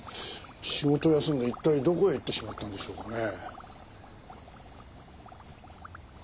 仕事を休んで一体どこへ行ってしまったんでしょうかね？